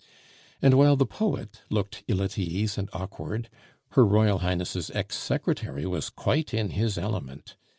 And while the poet looked ill at ease and awkward Her Royal Highness' ex secretary was quite in his element.